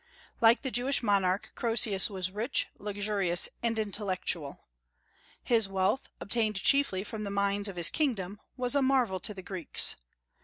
Like the Jewish monarch, Croesus was rich, luxurious, and intellectual. His wealth, obtained chiefly from the mines of his kingdom, was a marvel to the Greeks.